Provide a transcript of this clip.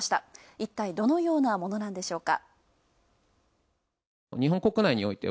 一体どのようなものなんでしょうか。